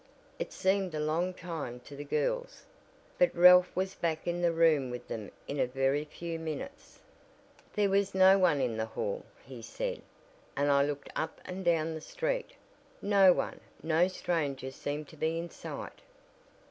It seemed a long time to the girls, but Ralph was back in the room with them in a very few minutes. "There was no one in the hall," he said, "and I looked up and down the street. No one no stranger seemed to be in sight."